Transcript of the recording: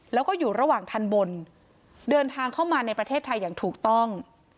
แล้วก็อยู่ระหว่างทันบนเดินทางเข้ามาในประเทศไทยอย่างถูกต้อง